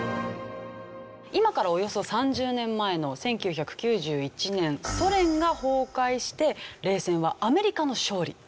今からおよそ３０年前の１９９１年ソ連が崩壊して冷戦はアメリカの勝利。